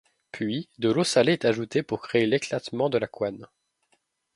Puis de l'eau salée est ajoutée pour créer l'éclatement de la couenne.